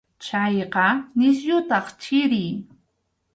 Chayqa nisyutaq chiri.